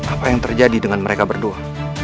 apa yang terjadi dengan mereka berdua